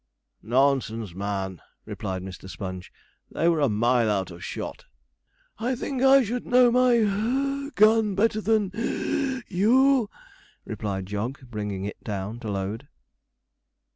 'Nonsense, man!' replied Mr. Sponge. 'They were a mile out of shot.' 'I think I should know my (puff) gun better than (wheeze) you,' replied Jog, bringing it down to load.